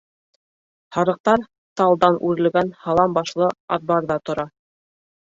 Һарыҡтар талдан үрелгән һалам башлы аҙбарҙа тора.